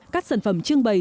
các sản phẩm trưng bày